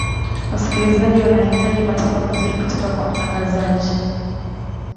wasikilizaji wanahitaji matendo mazuri kutoka kwa mtangazaji